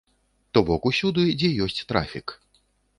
То бок усюды, дзе ёсць трафік.